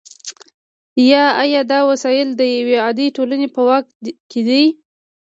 یا آیا دا وسایل د یوې عادلې ټولنې په واک کې دي؟